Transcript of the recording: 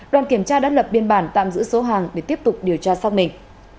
đoàn kiểm tra đã lập biên bản tạm giữ số hàng để tiếp tục điều tra sau mình